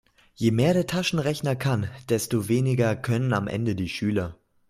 Je mehr der Taschenrechner kann, desto weniger können am Ende die Schüler.